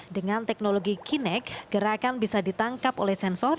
dengan teknologi kinek gerakan bisa ditangkap oleh sensor